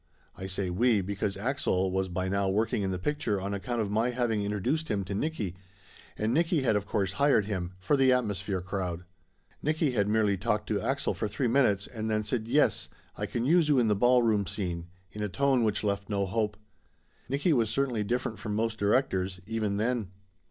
I say "we" because Axel was by now working in the pic ture on account of my having introduced him to Nicky and Nicky had of course hired him for the atmos phere crowd. Nicky had merely talked to Axel for three minutes and then said, "Yes, I can use you in the ballroom scene," in a tone which left no hope. Nicky was certainly different from most directors, even then.